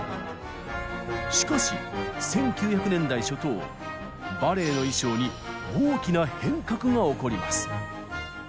しかし１９００年代初頭バレエの衣装に大きな変革が起こります。